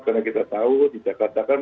karena kita tahu di jakarta kan